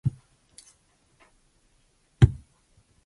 Nucius's music shows the influence of Lassus above all.